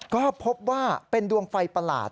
ก็พบว่าเป็นดวงไฟประหลาด